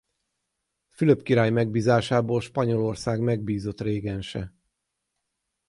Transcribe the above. Fülöp király megbízásából Spanyolország megbízott régense.